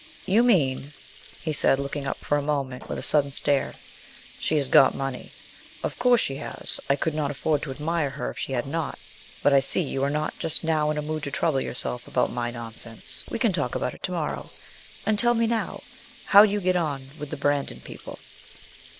'You mean,' he said, looking up for a moment, with a sudden stare, 'she has got money. Of course she has; I could not afford to admire her if she had not; but I see you are not just now in a mood to trouble yourself about my nonsense we can talk about it to morrow; and tell me now, how do you get on with the Brandon people?'